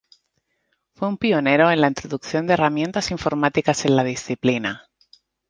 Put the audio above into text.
Fue un pionero en la introducción de herramientas informáticas en la disciplina.